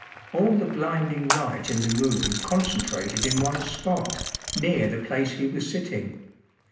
All the blinding light in the room concentrated in one spot, near the place he was sitting.